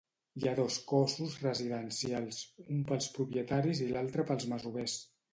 Hi ha dos cossos residencials: un pels propietaris i l'altre pels masovers.